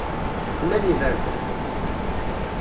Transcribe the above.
Xlan iberdan.